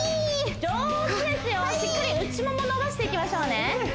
上手ですよはいしっかり内もも伸ばしていきましょうね